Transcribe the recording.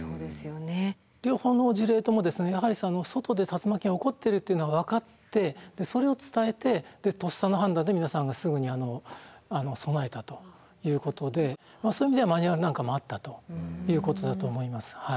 両方の事例ともですねやはり外で竜巻が起こってるっていうのは分かってでそれを伝えてでとっさの判断で皆さんがすぐに備えたということでそういう意味ではマニュアルなんかもあったということだと思います。